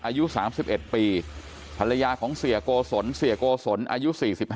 อายุ๓๑ปีภรรยาของเสียโกศลเสียโกศลอายุ๔๕